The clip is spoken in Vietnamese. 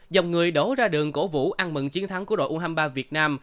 dòng người đổ ra đường cổ vũ ăn mừng chiến thắng của đội u hai mươi ba việt nam